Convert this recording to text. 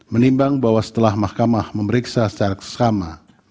menimbang bahwa setelah mahkamah memeriksa secara sesama